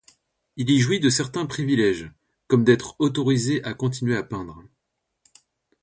Il y jouit de certains privilèges, comme d'être autorisé à continuer à peindre.